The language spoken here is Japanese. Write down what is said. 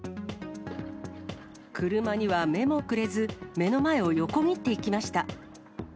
車には目もくれず、目の前を横切っていきました。